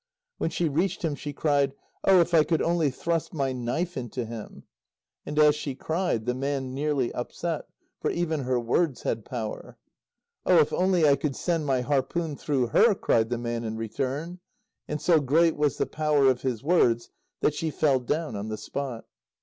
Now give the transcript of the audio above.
When she reached him, she cried: "Oh, if I could only thrust my knife into him." And as she cried, the man nearly upset for even her words had power. "Oh, if only I could send my harpoon through her," cried the man in return. And so great was the power of his words that she fell down on the spot.